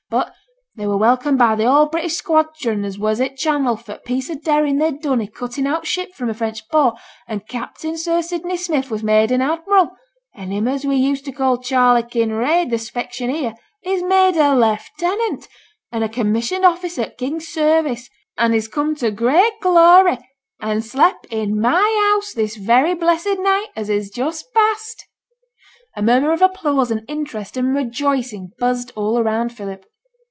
But they were welcomed by th' whole British squadron as was i' t' Channel for t' piece of daring they'd done i' cuttin' out t' ship from a French port; an' Captain Sir Sidney Smith was made an admiral, an' him as we used t' call Charley Kinraid, the specksioneer, is made a lieutenant, an' a commissioned officer i' t' King's service; and is come to great glory, and slep in my house this very blessed night as is just past!' A murmur of applause and interest and rejoicing buzzed all around Philip.